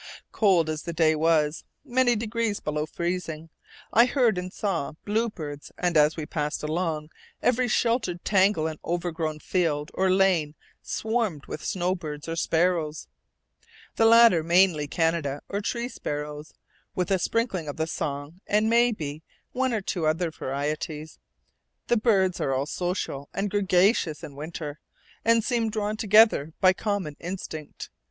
Cold as the day was (many degrees below freezing), I heard and saw bluebirds, and as we passed along, every sheltered tangle and overgrown field or lane swarmed with snowbirds and sparrows, the latter mainly Canada or tree sparrows, with a sprinkling of the song, and, maybe, one or two other varieties. The birds are all social and gregarious in winter, and seem drawn together by common instinct.